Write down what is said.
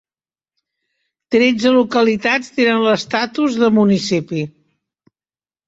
Tretze localitats tenen l'estatus de municipi.